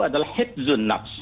adalah hibzun nafs